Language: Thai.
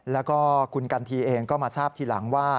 แล้วก็คุณกันทีเองก็มาทราบทีหลังว่า